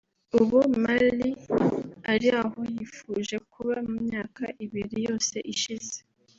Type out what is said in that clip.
“ubu Miley ari aho yifuje kuba mu myaka ibiri yose ishize